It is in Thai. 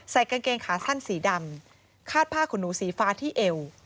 กางเกงขาสั้นสีดำคาดผ้าขนหนูสีฟ้าที่เอว